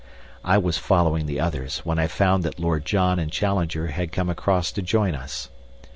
I was following the others, when I found that Lord John and Challenger had come across to join us.